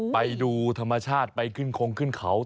ไปดูธรรมชาติไปขึ้นคงขึ้นเขา